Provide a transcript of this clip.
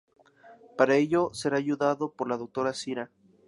Para ello, será ayudado por la Doctora Zira.